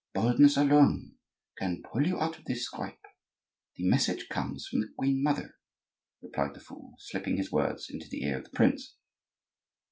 "Boldness alone can pull you out of this scrape; the message comes from the queen mother," replied the fool, slipping his words into the ear of the prince.